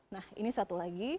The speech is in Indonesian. nah ini satu lagi